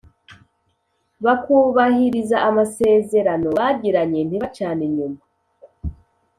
bakubahiriza amasezerano bagiranye ntibacane inyuma,